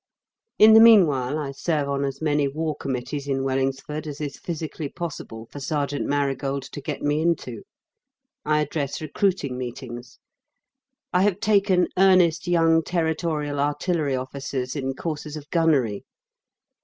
In the meanwhile, I serve on as many War Committees in Wellingsford as is physically possible for Sergeant Marigold to get me into. I address recruiting meetings. I have taken earnest young Territorial artillery officers in courses of gunnery.